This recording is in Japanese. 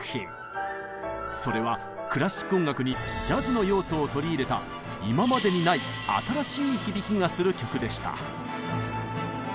それはクラシック音楽にジャズの要素を取り入れた今までにない新しい響きがする曲でした。